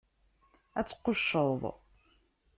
Ad tqucceḍ!